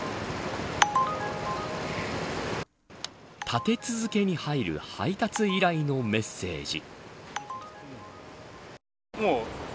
立て続けに入る配達依頼のメッセージ。